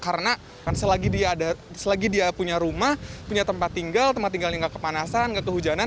karena selagi dia punya rumah punya tempat tinggal tempat tinggalnya nggak kepanasan nggak tuhujanan